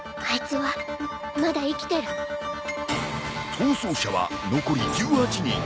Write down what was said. ［逃走者は残り１８人］